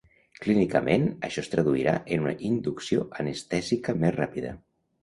Clínicament, això es traduirà en una inducció anestèsica més ràpida.